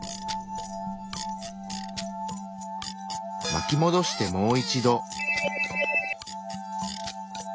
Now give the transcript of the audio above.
巻きもどしてもう一度。